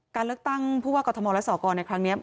การเลือกตั้งพูดว่ากฎธมศ์และสกในครั้งนี้